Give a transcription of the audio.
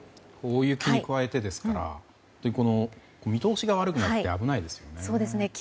大雪に加えてですから見通しが悪くなって危ないですよね。